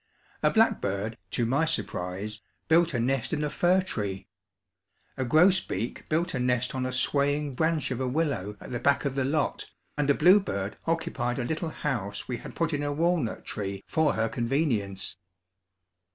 A blackbird, to my surprise, built a nest in a fir tree. A grosbeak built a nest on a swaying branch of a willow at the back of the lot, and a bluebird occupied a little house we had put in a walnut tree for her convenience.